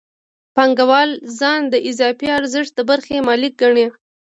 پانګوال ځان د اضافي ارزښت د برخې مالک ګڼي